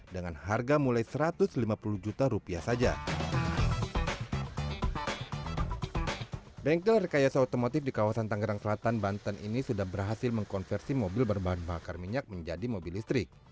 kepala kabupaten banten ini sudah berhasil mengkonversi mobil berbahan bakar minyak menjadi mobil listrik